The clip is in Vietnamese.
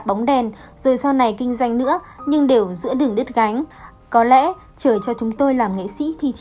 bóng đèn rồi sau này kinh doanh nữa nhưng đều giữa đường đứt gánh có lẽ trời cho chúng tôi làm nghệ